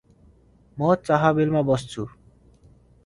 म चाबहिलमा बस्छु ।